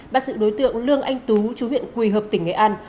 bắt giữ đối tượng lương anh tú chú huyện quỳ hợp tỉnh nghệ an